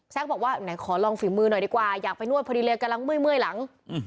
บอกว่าไหนขอลองฝีมือหน่อยดีกว่าอยากไปนวดพอดีเลยกำลังเมื่อยหลัง